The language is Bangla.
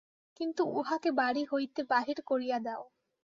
কিন্তু উহাকে বাড়ি হইতে বাহির করিয়া দেও।